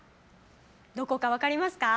どこか分かりますか。